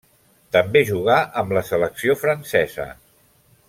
També jugà amb la selecció francesa.